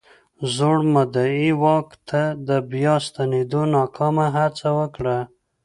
زوړ مدعي واک ته د بیا ستنېدو ناکامه هڅه وکړه.